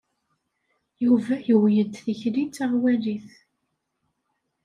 Yuba yuwey-d tikli d taɣwalit.